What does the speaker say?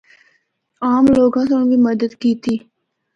عام لوگاں سنڑ بھی مدد کیتی۔